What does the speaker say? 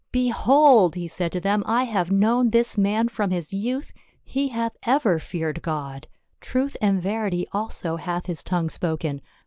" Behold," he said to them, " I have known this man from his youth ; he hath ever feared God, truth and verity also hath his tongue spoken.